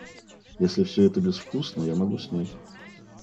Если все это безвкусно, я могу снять.